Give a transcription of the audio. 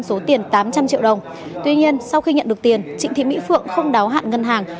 số tiền tám trăm linh triệu đồng tuy nhiên sau khi nhận được tiền trịnh thị mỹ phượng không đáo hạn ngân hàng